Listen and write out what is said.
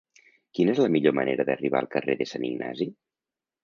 Quina és la millor manera d'arribar al carrer de Sant Ignasi?